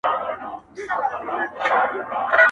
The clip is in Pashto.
غيرتي ډبرين زړونه -